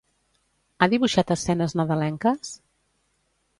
Ha dibuixat escenes nadalenques?